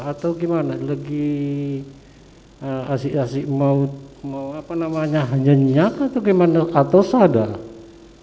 atau gimana lagi asik asik mau apa namanya nyenyak atau gimana atau sadar